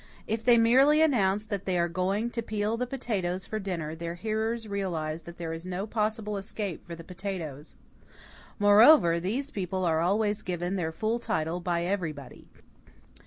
If they merely announce that they are going to peel the potatoes for dinner their hearers realize that there is no possible escape for the potatoes. Moreover, these people are always given their full title by everybody.